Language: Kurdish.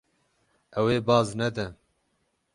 Ew ê baz nede.